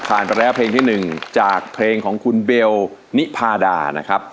ไปแล้วเพลงที่๑จากเพลงของคุณเบลนิพาดานะครับ